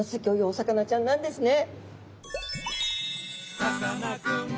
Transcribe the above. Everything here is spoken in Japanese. お魚ちゃんなんですね。